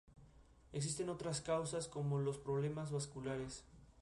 Existen otras causas, como los problemas vasculares.